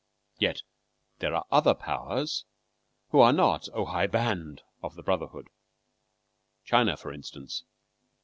Yet there are other powers who are not "ohai band" (of the brotherhood) China, for instance.